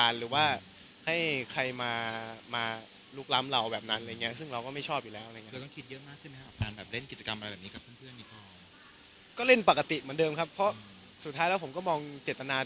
สุดท้ายแล้วผมก็มองเจตนา